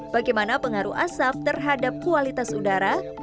bagaimana pengaruh asap terhadap kualitas udara